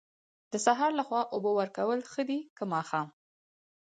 د سهار لخوا اوبه ورکول ښه دي که ماښام؟